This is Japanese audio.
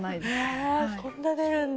えそんな出るんだ。